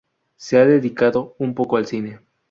Se ha dedicado un poco al cine.